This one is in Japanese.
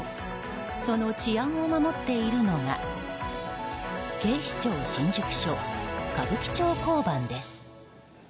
その治安を守っているのが警視庁新宿署歌舞伎町交番です。